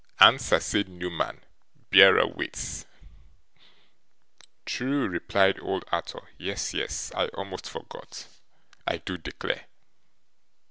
'Answer,' said Newman. 'Bearer waits.' 'True,' replied old Arthur. 'Yes yes; I almost forgot, I do declare.